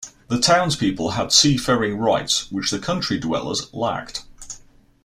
The townspeople had seafaring rights, which the country dwellers lacked.